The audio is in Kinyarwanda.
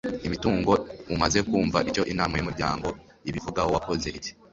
imitungo umaze kumva icyo Inama y umuryango ibivugaho wakoze iki